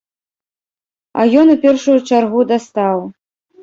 А ён у першую чаргу дастаў.